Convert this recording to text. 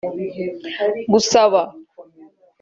Gusaba